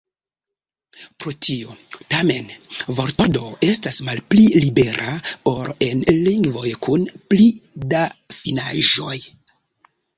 Pro tio, tamen, vortordo estas malpli libera, ol en lingvoj kun pli da finaĵoj.